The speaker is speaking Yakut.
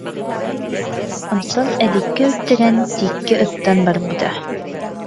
Онтон Эдиккэ үттэрэн, тииккэ ыттан барбыта